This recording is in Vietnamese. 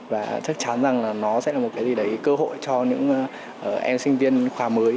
và chắc chắn rằng là nó sẽ là một cái gì đấy cơ hội cho những em sinh viên khoa mới